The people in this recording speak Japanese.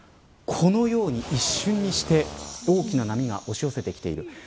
このように一瞬にして大きな波が押し寄せてきている。